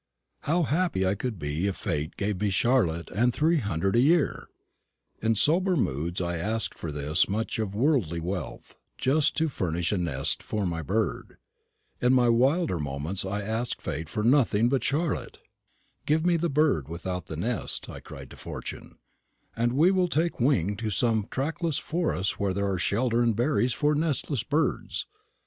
How happy I could be if Fate gave me Charlotte and three hundred a year! In sober moods I asked for this much of worldly wealth, just to furnish a nest for my bird. In my wilder moments I asked Fate for nothing but Charlotte. "Give me the bird without the nest," I cried to Fortune; "and we will take wing to some trackless forest where there are shelter and berries for nestless birds.